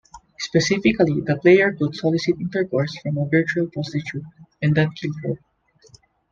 Specifically, the player could solicit intercourse from a virtual prostitute, and then kill her.